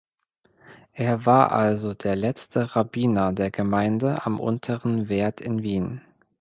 Er war also der letzte Rabbiner der Gemeinde am Unteren Werd in Wien.